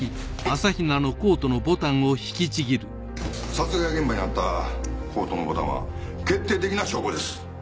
殺害現場にあったコートのボタンは決定的な証拠です。